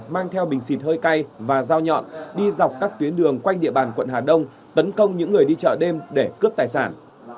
mang theo bình xịt hơi cay và dao nhọn đi dọc các tuyến đường quanh địa bàn quận hà đông tấn công những người đi chợ đêm để cướp tài sản